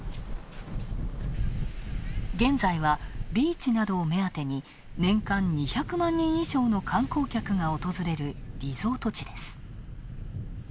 現在はビーチなどを目当てに、年間２００万人以上の観光客が訪れるリゾート地です。